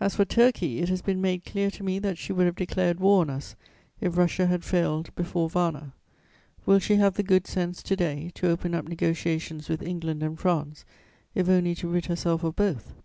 "As for Turkey, it has been made clear to me that she would have declared war on us if Russia had failed before Varna. Will she have the good sense to day to open up negociations with England and France, if only to rid herself of both?